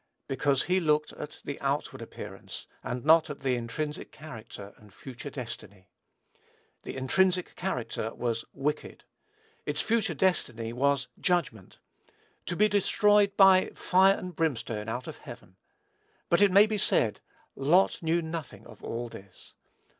Because he looked at the outward appearance, and not at the intrinsic character and future destiny. The intrinsic character was "wicked." Its future destiny was "judgment," to be destroyed by "fire and brimstone out of heaven." But, it may be said, "Lot knew nothing of all this."